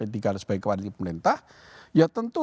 sebagai partai koalisi pemerintah ya tentu